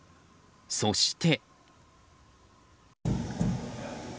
そして。